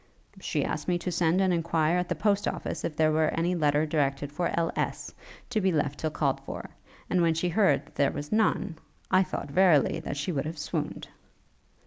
'She asked me to send and enquire at the Post office if there were any letter directed for L.S., to be left till called for; and when she heard that there was none, I thought, verily, that she would have swooned.'